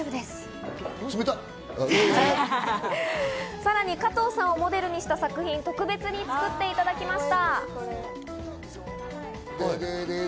さらに加藤さんをモデルにした作品、特別に作っていただきました。